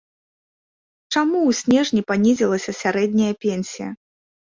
Чаму у снежні панізілася сярэдняя пенсія?